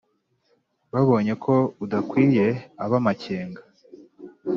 babonye ko udakwiye ab'amakenga